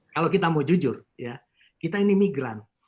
kalau kita mau jujur ya kita ini migran